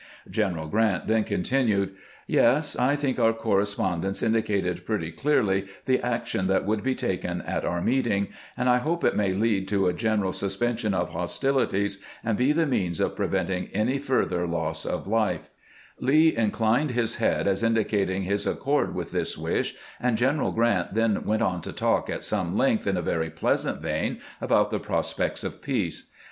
General Grant then continued :" Yes ; I think our correspondence in dicated pretty clearly the action that would be taken at our meeting, and I hope it may lead to a general suspension of hostilities, and be the means of preventing any further loss of life," 476 CAMPAIGNING "WITH GRANT Lee inclined his head as indicating his accord with this wish, and General Grant then went on to talk at some length in a very pleasant vein about the prospects of peace.